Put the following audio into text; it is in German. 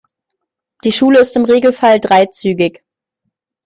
Die Schule ist im Regelfall dreizügig.